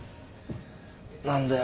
何だよ。